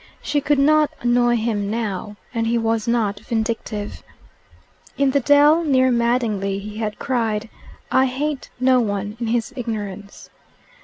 She could not annoy him now, and he was not vindictive. In the dell near Madingley he had cried, "I hate no one," in his ignorance.